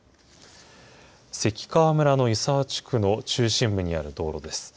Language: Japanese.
関川村の湯沢地区の中心部にある道路です。